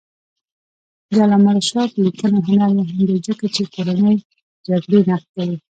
د علامه رشاد لیکنی هنر مهم دی ځکه چې کورنۍ جګړې نقد کوي.